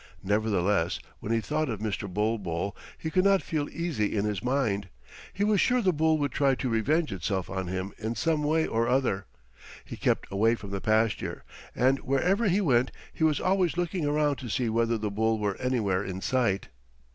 Nevertheless, when he thought of Mr. Bulbul, he could not feel easy in his mind. He was sure the bull would try to revenge itself on him in some way or other. He kept away from the pasture, and wherever he went he was always looking around to see whether the bull were anywhere in sight.